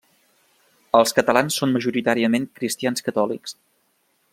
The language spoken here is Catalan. Els catalans són majoritàriament cristians catòlics.